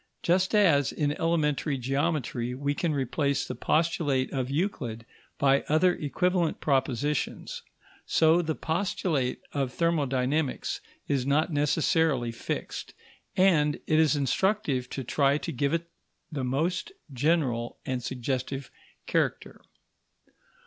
Just as, in elementary geometry, we can replace the postulate of Euclid by other equivalent propositions, so the postulate of thermodynamics is not necessarily fixed, and it is instructive to try to give it the most general and suggestive character.